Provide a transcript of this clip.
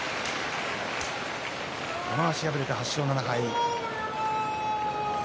玉鷲、敗れて８勝７敗。